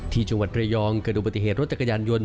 ที่จังหวัดระยองเกิดดูปฏิเหตุรถจักรยานยนต